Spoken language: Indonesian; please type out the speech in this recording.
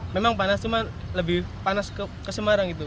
memang panas cuma lebih panas ke semarang gitu